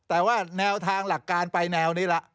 แต่ว่าแนวทางหลักการไปแนวนี้ละ